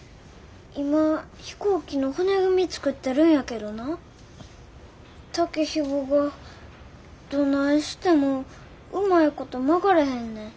今飛行機の骨組み作ってるんやけどな竹ひごがどないしてもうまいこと曲がれへんねん。